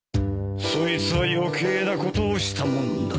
そいつは余計なことをしたもんだな。